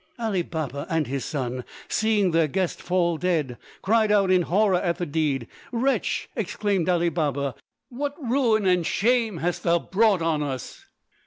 Ali Baba and his son, seeing their guest fall dead, cried out in horror at the deed. "Wretch!" exclaimed Ali Baba, "what ruin and shame hast thou brought on us?"